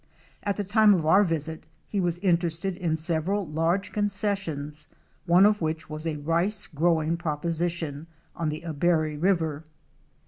At the time of our visit he was interested in several large concessions, one of which was a rice growing proposition on the Abary River.